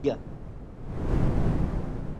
Lwaki gwe toliimu kutya?